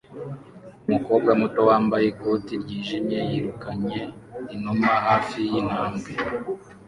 Umukobwa muto wambaye ikoti ryijimye yirukanye inuma hafi yintambwe